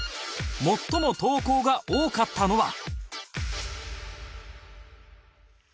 最も投稿が多かったのは